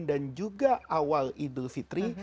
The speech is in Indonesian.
dan juga awal idul fitri